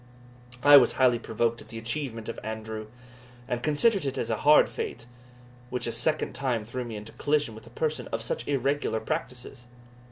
I was highly provoked at the achievement of Andrew, and considered it as a hard fate, which a second time threw me into collision with a person of such irregular practices.